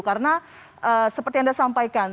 karena seperti anda sampaikan